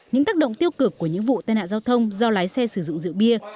những tác động tiêu cực của những vụ tai nạn giao thông do lái xe sử dụng rượu bia